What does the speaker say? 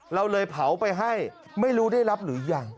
เราเลยเผาไปให้ไม่รู้ได้รับหรือยัง